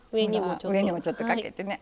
上にもちょっとかけてね。